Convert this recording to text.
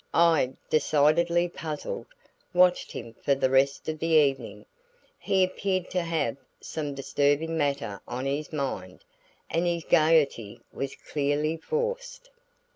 I, decidedly puzzled, watched him for the rest of the evening. He appeared to have some disturbing matter on his mind, and his gaiety was clearly forced.